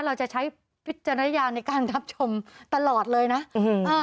เราจะใช้วิจารณญาณในการรับชมตลอดเลยนะอืมอ่า